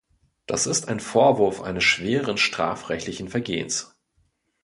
Das ist ein Vorwurf eines schweren strafrechtlichen Vergehens.